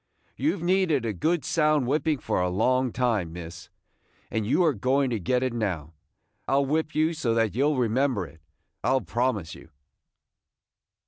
"You 've needed a good sound whipping for a long time, miss, and you are going to get it now. I 'll whip you so that you 'll remember it, I 'll promise you."